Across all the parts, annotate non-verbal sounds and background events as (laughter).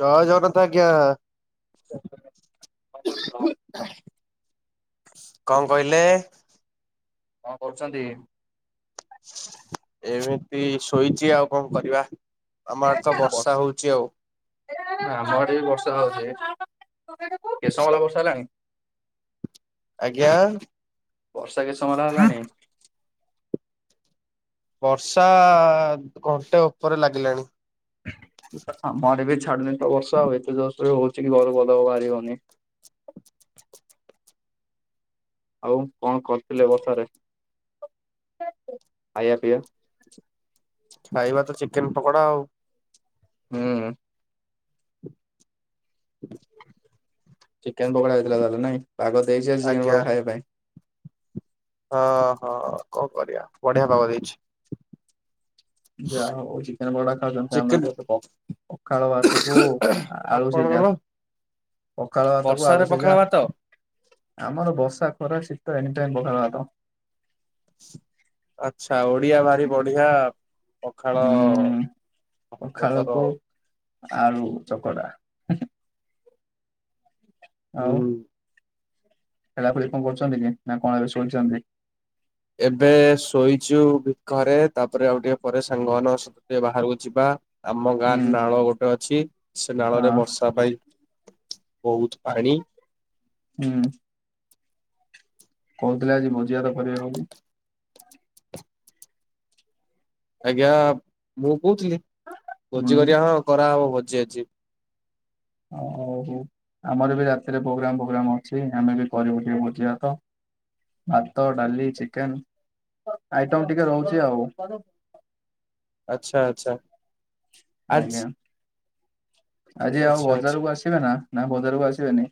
ଜୟ ଜଗନ୍ନାଥ ଆଜ୍ଞା। (inaudible) କଣ କହିଲେ। କଣ କରୁଛନ୍ତି। ଏମିତି ଶୋଇଛି ଆଉ କଣ କରିବା। ଆମ ଆଡେ ତ ବର୍ଷା ହଉଛି ଆଉ। ଆମ ଏଡେ ବି ବର୍ଷା ହଉଛି କେତେସମୟ ହେଲା ବର୍ଷା ହେଲାଣି। ଆଜ୍ଞା। ବର୍ଷା କେତ୍ ସମୟ ହେଲା ହେଲାଣି। ବର୍ଷା ଘଣ୍ଟେ ଉପରେ ଲାଗିଲାଣି। ଆମ ଆଡେ ବି ଛାଡୁନି ତ ବର୍ଷା ଆଉ ଏତେ ଜୋର୍ ସେ ହଉଛି କି ଘରୁ ପଦାକୁ ବାହାରି ହଉନି। ଆଉ କଣ କରିଥିଲି ବଷାରେ ଖାଇବା ପିଇବା। ଖାଇବା ତ ଚିକେନ ପକୋଡା ଆଉ ହୁଁ। ଚିକେନ ପକୋଡା ହେଇଥିଲା ତାହଲେ ନାଇଁ ପାଗ ଦେଇଛି ଆଜି ଚିକେନ ଆଜ୍ଞା ପକୋଡା ଖାଇବା ପାଇଁ। ହଁ ହଁ କଣ କରିବା ବଢିଆ ପାଗ ଦେଇଛି। ଯା ହଉ ଚିକେନ ପକଡା ଖାଉଛନ୍ତି ଆମ ଚିକେନ (unintelligible) ପଖାଳ ଭାତକୁ ଆଳୁ ସିଝା। ଆପଣଙ୍କର ପଖାଳ ଭାତ କୁ ବର୍ଷାରେ ଆଳୁ ପଖାଳ ସିଝା ଭାତ ଆମର ବର୍ଷା ଖରା ଶୀତ ଏନି ଟାଇମ ପଖାଳ ଭାତ। ଶି ଆଚ୍ଛା ଓଡିଆ ଭାରି ବଢିଆ। ପଖାଳ ହୁଁ ପଖାଳକୁ ତାର ଆଳୁ ଚକଡା ହୁଁ। ଖେଳା ଖେଳି କଣ କରୁଛନ୍ତି କି ନା କଣ ଏରେ ଶୋଇଛନ୍ତି। ଏବେ ଶୋଇଛୁ ଭିକରେ ତାପରେ ଆଉ ଟିକେ ପରେ ସାଙ୍ଗ ଟିକେ ବାହାରକୁ ଯିବା। ଆମ ହୁଁ ଗାଁରେ ନାଳ ଗୋଟେ ଅଛି ସେ ନାଳରେ ହଁ ବର୍ଷା ପାଇଁ ବହୁତ ପାଣି। ହୁଁ। କହୁଥିଲେ ଆଜି ଭୋଜି ଭାତ କରିବେ ବୋଲି। ଆଜ୍ଞା ମୁଁ କହୁଥିଲି ଭୋଜି ହୁଁ କରିବା ହଁ କରାହବ ଭୋଜି ଆଜି ଆଉ ଆମର ବି ରାତିରେ ପ୍ରୋଗ୍ରାମ ଫୋଗ୍ରାମ ଅଛି। ଆମେ ବି କରିବୁ ଟିକେ ଭୋଜି ଭାତ। ଭାତ ଡାଲି ଚିକେନ୍ ଆଇଟମ ଟିକେ ରହୁଛି ଆଉ। ଆଚ୍ଛା ଆଚ୍ଛା। ଆଜି ଆଜ୍ଞା ଆଜି ଆଉ ଆଚ୍ଛା ଆଚ୍ଛା ବଜାରକୁ ଆସିବେ ନା ନା ବଜାରକୁ ଆସିବେନି।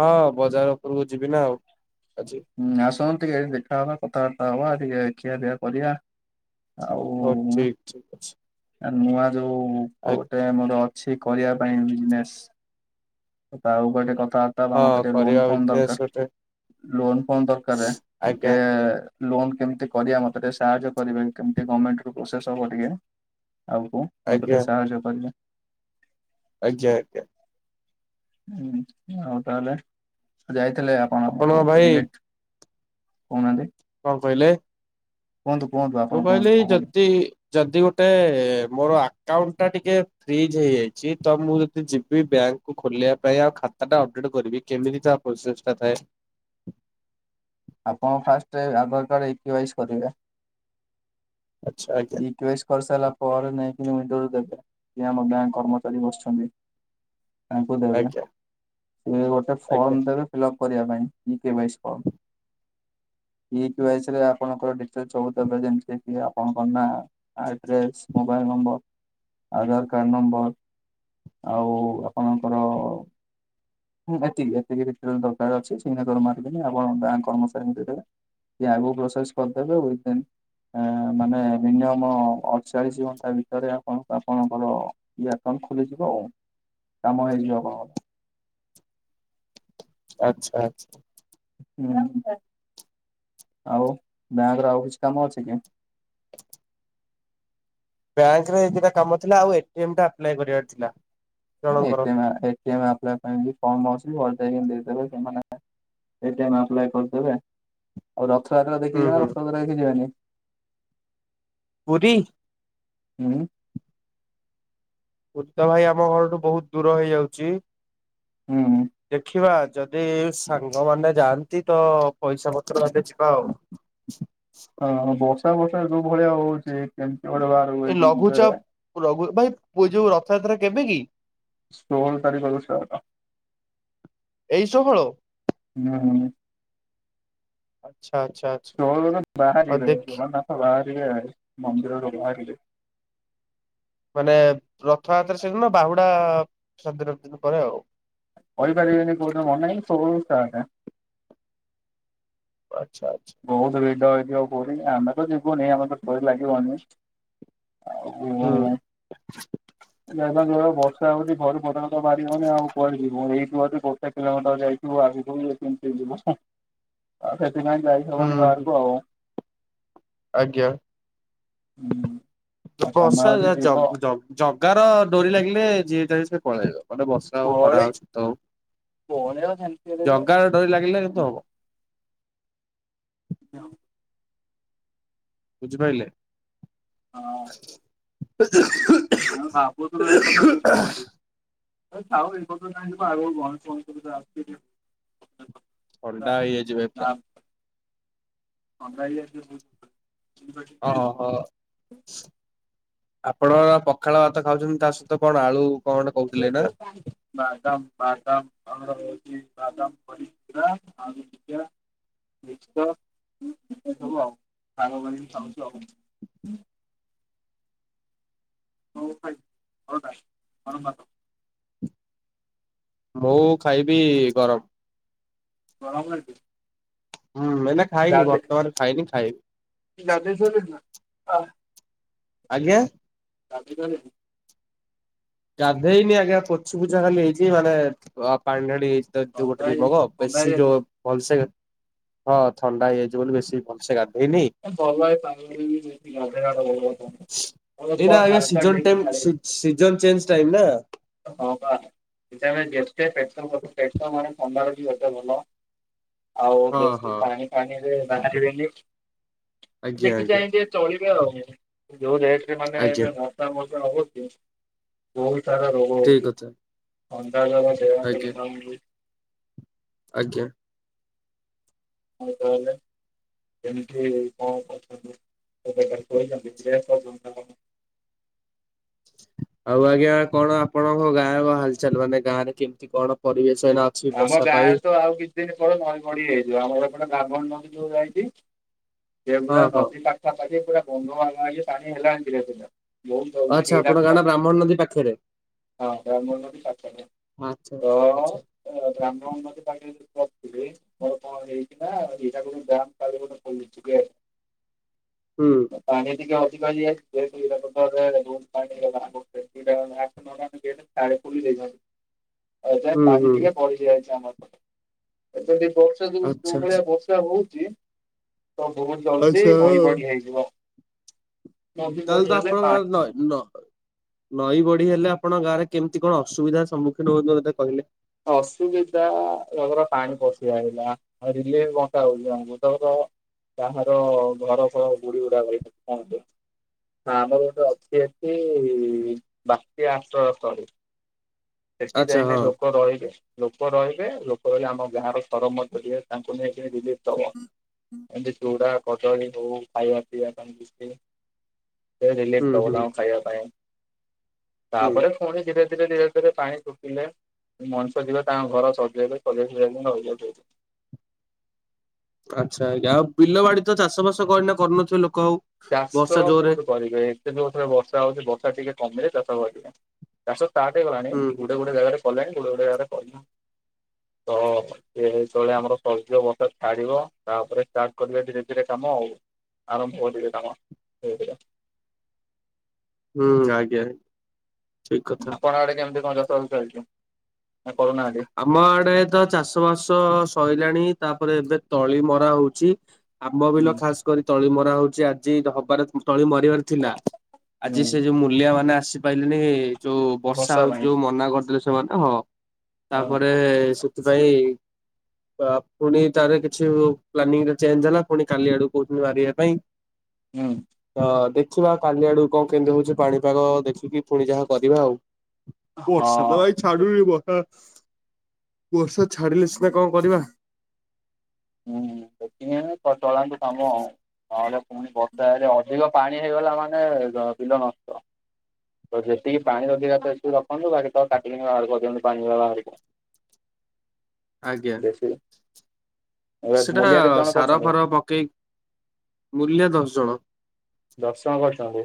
ହଁ ବଜାର ଉପରକୁ ଯିବି ନା ଆଉ ଆଜି। ହୁଁ ଆସନ୍ତୁ ଟିକେ ଏଇଠେ ଦେଖାହବା, କଥାବାର୍ତ୍ତା ହବା ଟିକେ ଖିଆ ପିଆ କରିବା ଆଉ ହଉ ଠିକ୍ ଠିକ୍ ଅଛି। ଆ ନୂଆ ଯୋଉ ଆ ଗୋଟେ ମୋର କିଛି କରିବା ପାଇଁ ବିଯିନେସ ଆଉ ଗୋଟେ କଥା ବାବା ମତେ ହଁ ଟିକେ ଲୋନ୍ କରିବା କଣ ବିଜନେସ ଗୋଟେ ଦରକାର ଲୋନ୍ କଣ ଦରକାର ଆଜ୍ଞା ଟିକେ ଲୋନ କେମିତି କରିବା ମତରେ ସାହାଯ୍ୟ କରିବେ କେମତି ଗମେଣ୍ଟ ରୁ ପ୍ରୋସେସ ହବ ଟିକେ ଆଉ କ ମୁଁ ଟିକେ ଆଜ୍ଞା ସାହାଯ୍ୟ କରିବେ। ଆଜ୍ଞା ଆଜ୍ଞା। ହୁଁ ଆଉ ତାହେଲେ ଯାଇଥିଲେ ଆପଣ ଆପଣଙ୍କ କୋଉଠି ଭାଇ ରିଲେଟ କହୁନାହାନ୍ତି। କଣ କହିଲେ କୁହନ୍ତୁ କୁହନ୍ତୁ, ଆ ମୁ କହିଲି ଯଦି ଯଦି ଗୋଟେ ମୋର ଆକାଉଣ୍ଟ ଟା ଟିକେ ଫ୍ରିଜ ହେଇଯାଇଛି ତ ମୁଁ ଯଦି ଯିବି ବ୍ୟାଙ୍କ କୁ ଖୋଲିବା ପାଇଁ ଆଉ ଖାତା ଟା ଅପଡେଟ କରିବି କେମିତି ତା ପ୍ରୋସେସ ଟା ଥାଏ। ଆପଣ ଫାଷ୍ଟରେ ଆଧାର କାର୍ଡ ଇ କେ ୱାଇସ୍ କରିବେ। ଆଛା ଆଜ୍ଞା। କେସ କରିସାରିଲା ପରେ ନେଇକି ମୁଁ ଦେ କି ଆମ ଗାଁ କର୍ମଚାରୀ ବସିଛନ୍ତି। ତାଙ୍କୁ ଦେବେ ଆଜ୍ଞା ସେ ଗୋଟେ ଆଜ୍ଞା ଫର୍ମ ଦେବେ ଫିଲପ୍ କରିବା ପାଇଁ ଇ କେ ୟା ସି ଫର୍ମ ଇ କେ ୟା ସି ରେ ଆପଣଙ୍କ ଡିଟେଲ ସବୁ ଦେବେ ଯେମିତି କି ଆପଣ address mobile number Aadhaar card number (unintelligible) ଆଉ ଆପଣଙ୍କର ହୁଁ ଏତିକି ଏତିକି ରେ ଦରକାର ଅଛି ସିଗନେଚର ମାରିବେନି ଆପଣ ବ୍ୟାଙ୍କ କର୍ମଚାରୀଙ୍କୁ ଦେଇଦେବେ। ସିଏ ଆଗକୁ ପ୍ରସେସ କରିଦେବେ (inaudible) ମାନେ ମିନିମମ ଅଠଚାଳିଶ ଘଣ୍ଟା ଭିତରେ ଆପଣ ଆପଣଙ୍କର ଇଏ ଆକାଉଣ୍ଟ ଖୋଲିଯିବ ଓ କାମ ହେଇଯିବ ଆପଣଙ୍କ। ଆଚ୍ଛା ଆଚ୍ଛା ହୁଁ ଆଉ ବ୍ୟାଙ୍କ ର ଆଉ କିଛି କାମ ଅଛି କି? ବ୍ୟାଙ୍କରେ ଏ ଦି ଟା କାମ ଥିଲା ଆଉ ଏ ଟି ଏମ୍ ଟା ଆପ୍ଲାଏ କରିବାର ଥିଲା। ଏ ଜଣଙ୍କର T M A T M apply ପାଇଁ ବି ଫର୍ମ ଅଛି ଫର୍ମ ଅଛି ଫର୍ମ ଭରି ଦେଇଦେବେ ସେମାନେ ଏ ଟି ଏମ୍ ଆପ୍ଲାଏ କରିଦେବେ। ଆଉ ରଥଯାତ୍ରା ଦେଖି ହୁଁ ଯିବା ନା ହୁଁ ରଥଯାତ୍ରା ଦେଖି ଯିବାନି। ପୁରୀ ହୁଁ ପୁରୀ ତ ଭାଇ ଆମ ଘରଠୁ ବହୁତ ଦୂର ହେଇଯାଉଛି। ହୁଁ ଦେଖିବା ଯଦି ସାଙ୍ଗମାନେ ଯାଆନ୍ତି ତ ପଇସା ପତ୍ର ହେଲେ ଯିବା ଆଉ। ହଁ ବର୍ଷା ବର୍ଷା ଯୋଉ ଭଳିଆ ହଉଛି କେମିତି ବଡିବା। ଏ ଲଘୁଚାପ ଲଘୁ ଭାଇ ପୂ ଯୋଉ ରଥଯାତ୍ରା କେବେ କି? ସୋହଳ ତାରିଖରୁ ଷ୍ଟାର୍ଟ ଏଇ ଶୋହଳ ହୁଁ ହୁଁ ଆଚ୍ଛା ଆଚ୍ଛା। ଆଚ୍ଛା ଶୋହଳ ରୁ ଆଉ ବାହାରିବେ ଦେଖି ବାହାରିବେ ମନ୍ଦିରରୁ ବାହାରିଲେ। ମାନେ ରଥଯାତ୍ରା ସେଦିନ ବାହୁଡା ସାତ ଦିନ ପରେ ଆଉ। କହିପାରିବିନି କୋଉ ଦିନ ମନା ନାଇଁ ଷୋହଳରୁ ଷ୍ଟାର୍ଟ। ଆଚ୍ଛା ଆଚ୍ଛା। ବହୁତ ଭିଡ ହେଇଥିବ ପୁରୀ ଆମେ ତ ଯିବୁନି ଆମେ ତ ଡୋରି ଲାଗିବନି ଆଉ। ହଁ ଯାଇ ଯାଇ ଯୋ ଭଳିଆ ବର୍ଷା ହଉଛି ଘରୁ ପଦାରୁ ବାହାରିବନି ଆଉ କୁଆଡେ ଯିବୁ। ଏଇଠୁ ବର୍ଷା କିଲୋମିଟର ଯାଇଛି। ଆସିବ କେମିତି ଯିବା ସେଥିପାଇଁ ଯାଇ ହୁଁ ହବନି ହୁଁ ବାହାରକୁ ଆଉ। ଆଜ୍ଞା ହୁଁ ଆଉ ତମେ ବର୍ଷା ଯଦି ଜ ଜ ଯିବ ଜ ଜଗାର ଡୋରି ଲାଗିଲେ ଯିଏ ଯାଏ ସେ ପଳେଇବ ମାନେ ବର୍ଷା ହଉ ପଳେ ଖରା ହଉ ଶୀତ ହଉ ପଳେଇବ ସେମିତି ହେଲେ ଯେ ଜଗାର ଡରି ଲାଗିଲା କିନ୍ତୁ ହବ। ହଁ ବୁଝିପାରିଲେ। ହଁ (inaudible) ନା ଭାବୁଥିଲୁ ଏ କଥା ଯିବୁ ବୋଲି। ଆ (unintelligible) ଅଣ୍ଡା ହେଇଯାଇଛି ଭାଇ ପୁରା। ଥଣ୍ଡା ହେଇଯାଇଛି (unintelligible) ବହୁତ ହଁ ହ। ଆପଣ ପଖାଳ ଭାତ ଖାଉଛନ୍ତି ତା ସହିତ କଣ ଆଳୁ? କଣ ଗୋଟେ ଆ କହୁଥିଲେ ନା (unintelligible) ବାଦାମ, ବାଦାମ ଆମର ହଉଚି ବାଦାମ ବଡ଼ିଚୋରା, ଆଳୁସିଝା (unintelligible) ଆଉ ଶାଗ କରିକି ଖାଉଛୁ ଆଉ। (unintelligible) ମୁଁ ଖାଇବି ଗରମ। ଗରମ ଖାଇବୁ? ହୁଁ ମୁଁ ଏଇନା ଖାଇନି ବର୍ତ୍ତମାନ ଖାଇନି ଖାଇବି। ଗାଧେଇ ସାରିଲେଣି ନା। (unintelligible) ଆଜ୍ଞା। ଗାଧେଇ ସାରିଲେଣି? ଗାଧେଇନି ଆଜ୍ଞା ପୋଛି ପୁଛା ଖାଲି ହେଇଛି ମାନେ ପାଣି ଢାଳି ହେଇଛି। ଯୋଉ ଥଣ୍ଡା ଗୋଟେ ଦି ହେଇଯାଇଛି ମଗ ଥଣ୍ଡା ବେଶୀ ହେଇଯାଇଛି। ଯୋଉ ଭଲସେ ହଁ ଥଣ୍ଡା ହେଇଯାଇଛି ବୋଲି ବେଶୀ ଭଲସେ ଗାଧେଇ ଭଲ ହେଇ ଏଇନା ଆଜ୍ଞା season time (unintelligible) season change time ନା। ହଁ ବା ଯେତେ (unintelligible) ପେଟ ପେଟ ମାନେ ଥଣ୍ଡା ଗୋଟେ ଭଲ ଆଉ ହଁ ବେସି ହଁ ପାଣି ଫାଣିରେ ବାହାରିବେନି ଆଜ୍ଞା ଦେଖି ଆଜ୍ଞା ଚାହିଁ ଟିକେ ଚଳିବେ ଆଉ ଯୋଉ ରେଟରେ ମାନେ ଆଜ୍ଞା ଏବେ (unintelligible) ବହୁତ ସାରା ରୋଗ ଠିକ ହଉଛି କଥା ଥଣ୍ଡା ଜର ଆଜ୍ଞା (unintelligible) ଆଜ୍ଞା। ହଉ ତାହେଲେ କେମିତି କଣ କରୁଛନ୍ତି? (unintelligible) ଆଉ ଆଜ୍ଞା କଣ ଆପଣଙ୍କ ଗାଁ ହାଲଚାଲ ମାନେ ଗାଁ ରେ କେମିତି କଣ ପରିବେଶ ଏଇନା। ଅଛି ଆମ ବର୍ଷା ପାଇଁ ଗାଁରେ ତ ଆଉ କିଛି ଦିନ ପରେ ନଈ ବଢ଼ୀ ହେଇଯିବ ଆମରଏପଟେ ବ୍ରାହ୍ମଣୀ ନଦୀ ଯୋଉ ଯାଇଛି। ସେ ହଁ ପୁରା ହଁ ନଦୀ ପାଖା ପାଖି ପୁରା ବନ୍ଧ ବନ୍ଧ ପାଖାପାଖି ପାଣି ହେଲାଣି ଧିରେ ଆଚ୍ଛା ଧିରେ। ଆପଣଙ୍କ ଗାଁ ଟା (unintelligible) ବ୍ରାହ୍ମଣ ନଦୀ ପାଖରେ ହଁ ବ୍ରାହ୍ମଣୀ ନଦୀ ପାଖରେ ଆଚ୍ଛା ଆଚ୍ଛା ଆଚ୍ଛା ତ। ତ ବ୍ରାହ୍ମଣୀ ନଦୀ ପାଣିରେ ମୁଁ ପଶିଥିଲି। ମୋର କଣ ହେଇଛି ନା, ହେଇଟାକୁ ନେଇ (unintelligible) ହୁଁ। ପାଣି ଟିକେ ଅଧିକ ହେଇଯାଇଛି (unintelligible) (unintelligible) ଆ ଯାଇଁ ହୁଁ ପାଣି ହୁଁ ଟିକେ ବଢି ଯାଇଛି ଆମର ଏ ପଟେ ଯଦି ବର୍ଷ ଯୋ ଆଚ୍ଛା ଯୋଉଁ ଆଚ୍ଛା ଭଳିଆ ବର୍ଷା (unintelligible) ବର୍ଷା ହଉଛି ତ ବହୁତ ଜଲଦି ନଈ ଆଚ୍ଛା। ବଢି ହେଇଯିବ। ନଦୀ ତାହାଲେ ବଢି ତ ହେଲେ ପାଣି ଆପଣଙ୍କ ନଈ ନ ନଈ ବଢି ହେଲେ ଆପଣଙ୍କ ଗାଁରେ କେମିତି କଣ ଅସୁବିଧାର ସମ୍ମୁଖୀନ ହଉଛନ୍ତି ମତେ କହିଲେ? ଅସୁବିଧା (unintelligible) ପାଣି ପଶି ଆଇଲା। ରିଲିଫ ବଣ୍ଟା ହଉଛି (unintelligible) କାହାର ଘର ଦ୍ୱାର ବୁଡିବୁଡା ଯାଇଛି ପାଣିରେ। ଆମର ଗୋଟେ ଅଛି ଏଠି ବାତ୍ୟା ଆଶ୍ରୟ ସ୍ଥଳୀ। ସେଠି ଆଚ୍ଛା ଯାଇକି ହଁ ଲୋକ ରହିବେ। ଲୋକ ରହିବେ ଲୋକ ରହିଲେ ଆମ ଗାଁର ସରପଞ୍ଚ ତାଙ୍କୁ ନେଇକି ରିଲିଫ୍ ଦବ। ଏମିତି ଚୁଡା କଦଳୀ ହଉ ଖାଇବା ପିଇବା ପାଇଁ ବିସ୍କିଟ। ଏରିଲିଫ୍ ହୁଁ ହୁଁ ଦୋଉନାହୁ ଖାଇବା ପାଇଁ ହୁଁ ତାପରେ ପୁଣି ଧୀରେ ଧୀରେ ଧୀରେ ତେରେ ପାଣି ଶୁଖିଲେ ମଣିଷ ଯିବେ ତାଙ୍କ ଘର ସଜେଇବେ ସଜେଇ ସଜାଇ ରହିବେ। ଆଚ୍ଛା ଆଉ ବିଲବାଡି ତ ଚାଷ ବାସ କରୁନଥିବେ ଲୋକ ଆଉ? ଚାଷ ବର୍ଷା ଜୋରରେ କୋଉଠୁ କରିବେ ଏତେ ଯୋଉଁ ଥରେ ବର୍ଷା ହଉଛି ବର୍ଷା ଟିକେ କମିଲେ ଚାଷ କରିବେ। ଚାଷ ଷ୍ଟାର୍ଟ ହେଇଗଲାଣି ହୁଁ ଗୋଟେ ଗୋଟେ ଜାଗାରେ କଲେଣି ଗୋଟେ ଗୋଟେ ଜାଗାରେ କରିନାହାନ୍ତି। ତ ସେ ଯେତେବେଳେ ଆମର (unintelligible) ଛାଡିବ ତାପରେ ଷ୍ଟାର୍ଟ କରିବେ ଧୀରେ ଧୀରେ କାମ ଆଉ। ଆରମ୍ଭ କରିଦେବେ କାମ ଧୀରେ ଧୀରେ। ହୁଁ ଆଜ୍ଞା। ଠିକ କଥା। ଆପଣ ଆଡେ କେମିତି କଣ ଚାଷ ବାସ ଚାଲିଚି ନାଁ କରୁନାହାନ୍ତି? ଆମ ଆଡେ ତ ଚାଷ ବାସ ସଇଲାଣି ତାପରେ ଏବେ ତଳି ମରା ହଉଚି। ଆମ ବିଲ ହୁଁ ଖାସ୍ କରି ତଳି ମରା ହଉଚି ଆଜି ହବାର ତଳି ମରିବାର ଥିଲା। ହୁଁ ଆଜି ସେ ଯୋଉ ମୂଲିଆ ମାନେ ଆସିପାରିଲେନି ଯୋଉ ବର୍ଷା ହଉଚି ଯୋଉ ମନା କରିଦେଲେ ସେମାନେ ହଁ। ହଁ ତାପରେ ସେଥିପାଇଁ ତାପ୍‌ ପୁଣି ତାର କିଛି ପ୍ଲାନିଂ ଟା ଚେଞ୍ଜ ହେଲା ପୁଣି କାଲି ଆଡକୁ କହୁଛନ୍ତି ମାରିବା ପାଇଁ। ହୁଁ। ତ ଦେଖିବା କାଲି ଆଡୁକୁ କଣ କେମିତି ହଉଚି ପାଣିପାଗ ଦେଖିକି ପୁଣି ଯାହା କରିବା ଆଉ। ବର୍ଷା ତ ହଁ। ଭାଇ ସେଇ ଛାଡୁନି ବର୍ଷା ବର୍ଷା ଛାଡିଲେ ସିନା କଣ କରିବା। ହୁଁ ଦେଖି ଜଳାନ୍ତୁ କାମ ଆଉ (unintelligible) ର୍ଷା ହେଲେ ଅଧିକ ପାଣି ହେଇଗଲା ମାନେ ବିଲ ନଷ୍ଟ। ତ ଯେତିକି ପାଣି ରଖିବା କଥା ତ ସେତିକି ରଖନ୍ତୁ ବାକି ତ କାଢି ବାହାର କରିଦିଅନ୍ତୁ ପାଣି ବାହାରକୁ। ଆଜ୍ଞା। ବେଶୀ ଏବେ ସେଟା ମୂଲିଆ କେତେ ଜଣ ସାର କରିଛନ୍ତି ଫାର ପକେଇ ମୂଲିଆ ଦଶ୍ ଜଣ। ଦଶ ଜଣ କରିଚନ୍ତି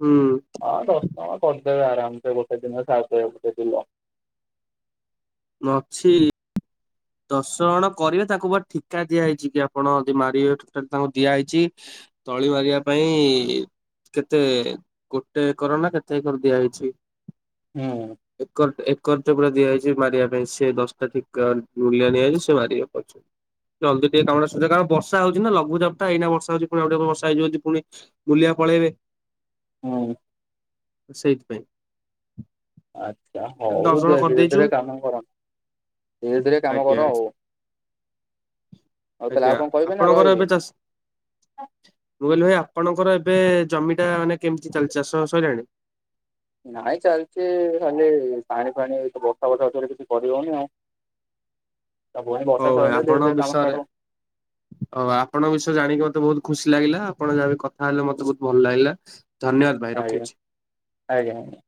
ହୁଁ ହଁ ଦଶ ହଁ କରିଦେବେ ଆରାମସେ ଗୋଟେ ଦିନ ସାରିଦେବେ ଗୋଟେ ବିଲ। ମୁଁ ଅଛି। ଦଶ ଜଣ କରିବେ ତାକୁ ପ ଠିକା ଦିଆ ହେଇଛି କି ଆପଣ ଯଦି ମାରିବେଟା ତାଙ୍କୁ ଦିଆହେଇଛି। ତଳି ମାରିବା ପାଇଁ କେତେ ଗୋଟେ ଏକର ନାଁ କେତେ ଏକର ଦିଆ ହୋଇଛି। ହୁଁ। ଏକର ଏକର ଟ ପୁରା ଦିଆଯାଇଛି ମାରିବା ପାଇଁ ସେ ଦଶଟା ଠିକ ମୁଲ୍ୟା ନିଆଜାଇଚି ସେ ମାର ପାଛ ଜଲ୍ଦି ଟିକେ କାମ ଟା ସରିବ କାରଣ ବର୍ଷା ହଉଚି ନାଁ ଲଘୁଚାପଟା ଏଇନା ବର୍ଷା ହୋଉଚି ପୁଣି ଆଉ ଟିକେ ଗଲେ ବର୍ଷ ହେଇଯିବା ପୁଣି। ମୂଲିଆ ପଳେଇବେ। ହୁଁ। ସେଇଥିପାଇଁ। ଆଚ୍ଛା ଦଶ ହଉ ଜଣ ଧୀରେ କରିଦେଇଛୁ ଧୀରେ କାମ କର। ଧୀରେ ଧୀରେ କାମ ଆଜ୍ଞା କର ଆଉ ଆଉ ତାହେଲେ ଆଜ୍ଞା ଆଉ କଣ କହିବେ ନା ଆପଣଙ୍କର ରହିବି? ଏବେ ଚାଷ ମୁଁ କହିଲି ଭାଇ ଆପଣଙ୍କର ଏବେ ଜମିଟା ମାନେ କେମିତି ଚାଲିଚି ଚାଷ ସରିଲାଣି? ନାଇଁ ଚାଲିଚି ଖାଲି ପାଣି ଫାଣି ଏ ବର୍ଷା ବର୍ଷାରେ କିଛି କରିହଉନି ଆଉ। ତ ପୁଣି ବର୍ଷା ସରିଲେ ଧୀରେ ଧୀରେ କାମ ଷ୍ଟାର୍ଟ ହବ। ଓ ଆପଣଙ୍କ ବିଷୟ ଜାଣିକି ମତେ ବହୁତ ଖୁସି ଲାଗିଲା। ଆପଣ ଯାହାବି କଥା ହେଲେ ମତେ ବହୁତ ଭଲ ଲାଗିଲା। ଧନ୍ୟବାଦ ଭାଇ ରଖୁଚି। ଆଜ୍ଞା ଆଜ୍ଞା।